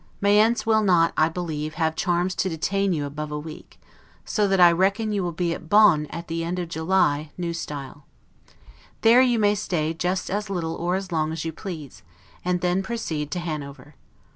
Mayence will not, I believe, have charms to detain you above a week; so that I reckon you will be at Bonn at the end of July, N. S. There you may stay just as little or as long as you please, and then proceed to Hanover.